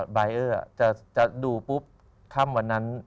บายเออร์จะดูปุ๊บค่ำวันนั้น